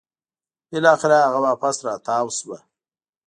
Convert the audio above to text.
بلاخره هغه واپس راتاو شوه